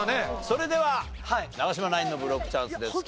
それでは長嶋ナインのブロックチャンスです。